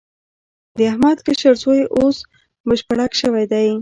د احمد کشر زوی اوس بشپړک شوی دی.